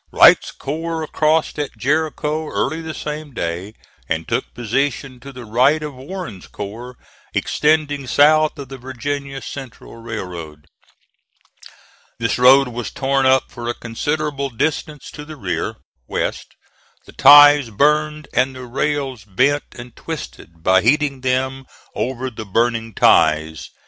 Wright's corps crossed at Jericho early the same day, and took position to the right of Warren's corps, extending south of the Virginia Central Railroad. This road was torn up for a considerable distance to the rear (west), the ties burned, and the rails bent and twisted by heating them over the burning ties.